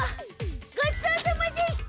ごちそうさまでした！